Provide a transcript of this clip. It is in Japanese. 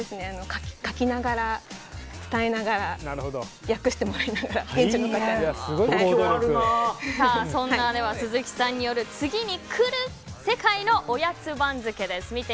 書きながら、伝えながら訳してもらいながらそんな鈴木さんによる次に来る世界のおやつ番付です。